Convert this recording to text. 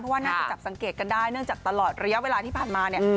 ว่าน่าจะจับสังเกตกันได้เนื่องจากตลอดระยะเวลาที่ผ่านมาเนี่ย